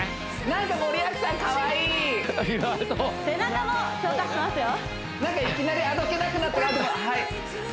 何かいきなりあどけなくなったはい